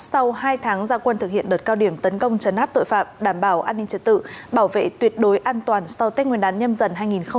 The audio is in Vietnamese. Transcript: sau hai tháng gia quân thực hiện đợt cao điểm tấn công trấn áp tội phạm đảm bảo an ninh trật tự bảo vệ tuyệt đối an toàn sau tết nguyên đán nhâm dần hai nghìn hai mươi bốn